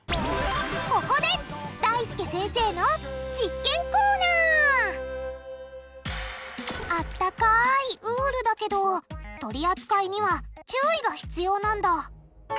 ここであったかいウールだけど取り扱いには注意が必要なんだ！